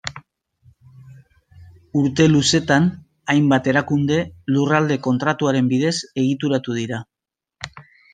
Urte luzetan, hainbat erakunde Lurralde Kontratuaren bidez egituratu dira.